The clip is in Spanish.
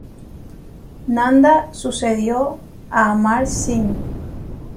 Nanda sucedió a Amar Singh.